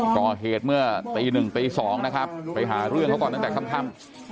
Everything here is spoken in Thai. ก็เหตุเมื่อตี๑ตี๒นะครับไปหารุ่นของก่อนตั้งแต่สาม๑๗๐๐